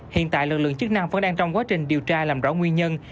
hiện tại lực lượng chức năng vẫn đang trong quá trình điều tra làm rõ nguyên nhân